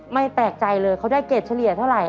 ไม่แปลกใจเลยเขาได้เกรดเฉลี่ยเท่าไหร